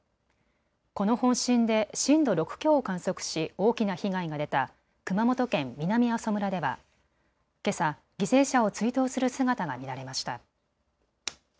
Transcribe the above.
この本震で震度６強を観測し大きな被害が出た熊本県南阿蘇村ではけさ犠牲者を追悼する姿が見られました。